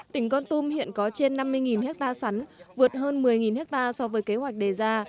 tỉnh con tum hiện có trên năm mươi hectare sắn vượt hơn một mươi hectare so với kế hoạch đề ra